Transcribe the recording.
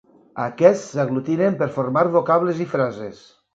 Aquests s'aglutinen per formar vocables i frases.